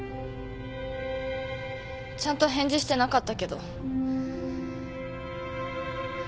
ちゃんと返事してなかったけど。